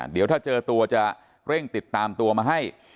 เดี๋ยวถ้าเจอตัวจะเร่งติดตามตัวมาให้